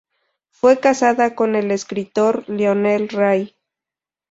Fue casada con el escritor Lionel Ray.